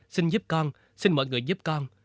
xin giúp con xin mọi người giúp con